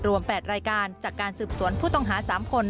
๘รายการจากการสืบสวนผู้ต้องหา๓คน